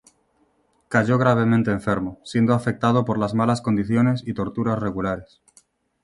Cayó gravemente enfermo, siendo afectado por las malas condiciones y torturas regulares.